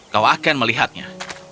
kau akan melihatnya